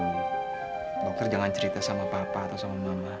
dokter jangan cerita sama papa atau sama mama